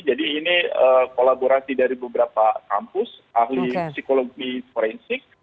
jadi ini kolaborasi dari beberapa kampus ahli psikologi forensik